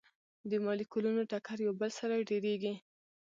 د مالیکولونو ټکر یو بل سره ډیریږي.